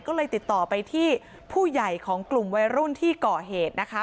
ก็เลยติดต่อไปที่ผู้ใหญ่ของกลุ่มวัยรุ่นที่ก่อเหตุนะคะ